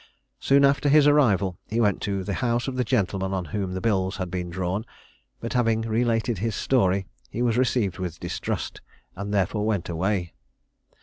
Soon after his arrival, he went to the house of the gentleman on whom the bills had been drawn, but having related his story, he was received with distrust, and therefore went away.